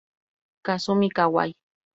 Kazumi Kawai